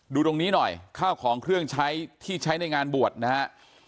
ดูตรงนี้หน่อยข้าวของเครื่องใช้ที่ใช้ในงานบวชนะฮะ